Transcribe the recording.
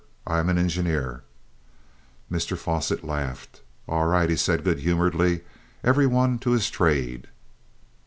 "I am an engineer!" Mr Fosset laughed. "All right!" said he good humouredly. "Every one to his trade!"